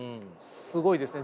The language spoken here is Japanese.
すごいですね。